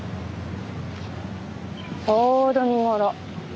ちょうど見頃。